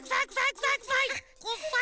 くっさい！